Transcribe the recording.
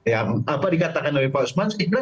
yang apa dikatakan oleh pak usman